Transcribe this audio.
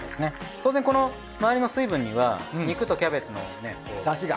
当然この周りの水分には肉とキャベツの。だしが。